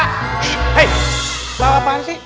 hey lu apaan sih